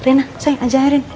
rena sayang ajarin